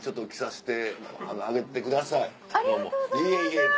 いえいえ。